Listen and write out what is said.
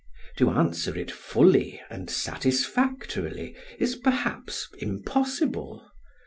To answer it fully and satisfactorily is perhaps impossible.